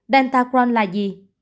delta crohn là gì